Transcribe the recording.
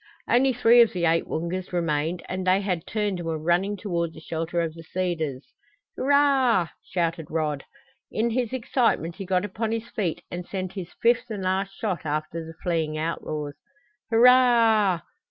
Only three of the eight Woongas remained and they had turned and were running toward the shelter of the cedars. "Hurrah!" shouted Rod. In his excitement he got upon his feet and sent his fifth and last shot after the fleeing outlaws. "Hurrah!